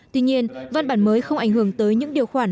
tuy nhiên văn bản mới không ảnh hưởng tới những điều khoản